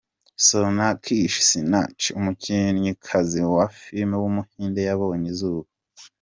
Sonakshi Sinha, umukinnyikazi wa filime w’umuhinde yabonye izuba.